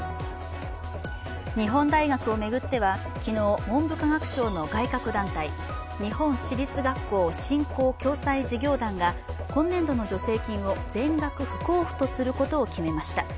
日本大学を巡っては昨日、文部科学省の外郭団体日本私立学校振興・共済事業団が今年度の助成金を全額不交付とすることを決めました。